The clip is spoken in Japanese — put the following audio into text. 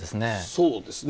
そうですね。